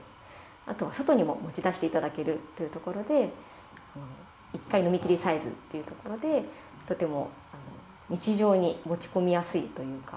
あとは外にも持ち出していただけるというところで、１回飲みきりサイズというところで、とても日常に持ち込みやすいというか。